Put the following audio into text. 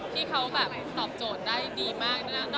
ที่เขาแบบตอบโจทย์ได้ดีมาก